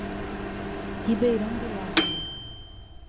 Ribeirão do Largo